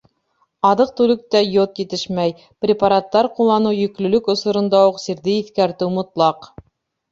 Аҙыҡ-түлектә йод етешмәй, препараттар ҡулланыу, йөклөлөк осоронда уҡ сирҙе иҫкәртеү мотлаҡ.